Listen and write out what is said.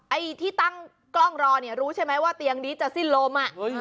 ไอ้ที่ตั้งกล้องรอเนี่ยรู้ใช่ไหมว่าเตียงนี้จะสิ้นลม